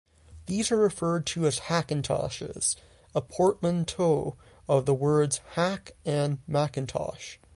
These are referred to as Hackintoshes, a portmanteau of the words "hack" and "Macintosh".